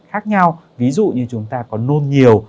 khác nhau ví dụ như chúng ta có nôn nhiều